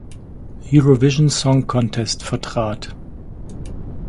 Eurovision Song Contest vertrat.